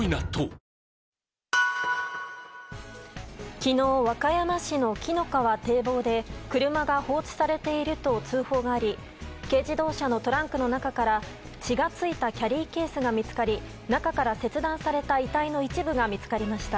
昨日、和歌山市の紀の川堤防で車が放置されていると通報があり軽自動車のトランクの中から血が付いたキャリーケースが見つかり中から切断された遺体の一部が見つかりました。